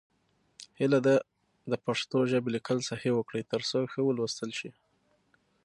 هیله ده د پښتو ژبې لیکل صحیح وکړئ، تر څو ښه ولوستل شي.